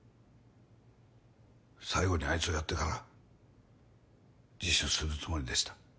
最後にあいつをやってから自首するつもりでした。